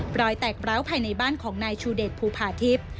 รอยแตกร้าวภายในบ้านของนายชูเดชภูผาทิพย์